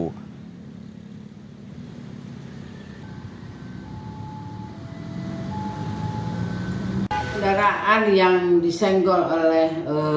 kendaraan yang disenggol oleh